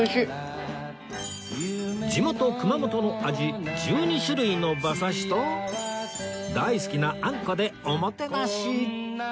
地元熊本の味１２種類の馬刺しと大好きなあんこでおもてなし